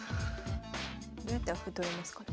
どうやったら歩取れますかね。